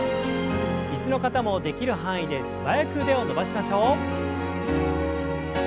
椅子の方もできる範囲で素早く腕を伸ばしましょう。